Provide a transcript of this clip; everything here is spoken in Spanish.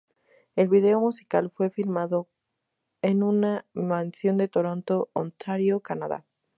El vídeo musical fue filmado en una mansión de Toronto, Ontario, Canadá.